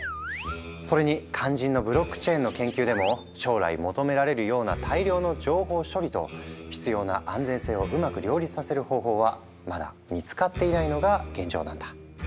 それに肝心のブロックチェーンの研究でも将来求められるような大量の情報処理と必要な安全性をうまく両立させる方法はまだ見つかっていないのが現状なんだ。